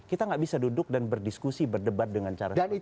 kita nggak bisa duduk dan berdiskusi berdebat dengan cara seperti itu